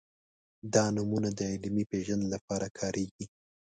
دا نومونه د علمي پېژند لپاره کارېږي.